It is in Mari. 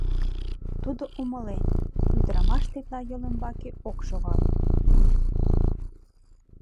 Тудо умылен, ӱдырамаш тетла йолӱмбаке ок шогал.